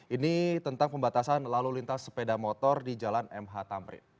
ini tentang pembatasan lalu lintas sepeda motor di jalan mh tamrin